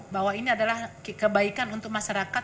bahwa ini adalah kebaikan untuk masyarakat